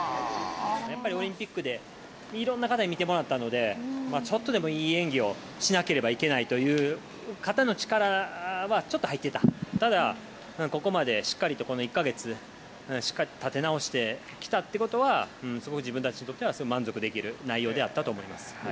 やっぱりオリンピックでいろんな方に見てもらったので、ちょっとでもいい演技をしなければいけないという、肩の力はちょっと入っていた、ただ、ここまでしっかりとこの１か月、しっかりと立て直してきたってことは、すごい自分たちにとっては満足できる内容であったと思います。